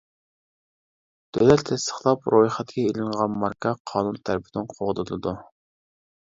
دۆلەت تەستىقلاپ رويخەتكە ئېلىنغان ماركا قانۇن تەرىپىدىن قوغدىلىدۇ.